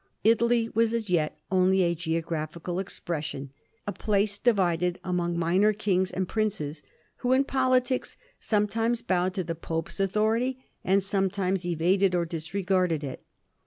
Italy was as yet only a geographical expression — a place divided among minor kings and princes, who in politics sometimes bowed to the Pope's authority, and some times evaded or disregarded it.